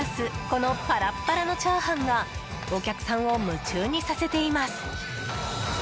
このパラッパラのチャーハンがお客さんを夢中にさせています。